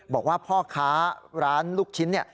บอกว่าพ่อค้าร้านลูกชิ้น